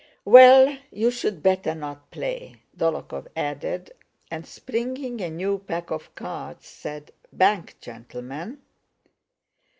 "Well, you'd better not play," Dólokhov added, and springing a new pack of cards said: "Bank, gentlemen!"